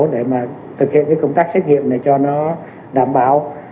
để mà thực hiện cái công tác xét nghiệm này cho nó đảm bảo